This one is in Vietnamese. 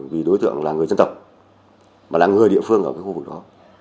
vì đối tượng là người dân tộc là người địa phương ở khu vực đó